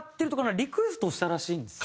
リクエストをしたらしいんですよ。